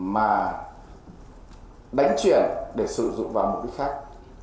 mà đánh chuyển để sử dụng vào mục đích khác